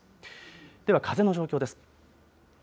では風の状況です。